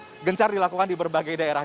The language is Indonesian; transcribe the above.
ini gencar dilakukan di berbagai daerah